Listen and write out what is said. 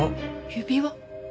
指輪。